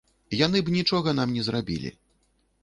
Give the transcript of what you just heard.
Яны б нічога нам не зрабілі.